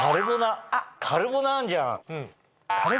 カルボナあんじゃん！